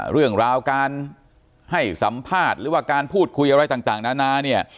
เรื่องราวการให้สัมภาษณ์หรือว่าการพูดคุยอะไรต่างนานาเนี่ย